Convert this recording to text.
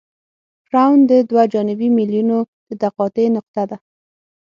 کرون د دوه جانبي میلونو د تقاطع نقطه ده